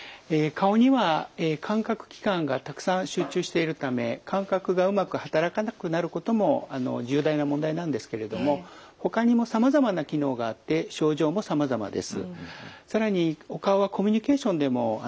顔には感覚器官がたくさん集中しているため感覚がうまく働かなくなることも重大な問題なんですけれどもほかにもさまざまな機能があって症状もさまざまです。